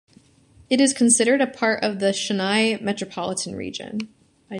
It is considered a part of the Chennai Metropolitan Region.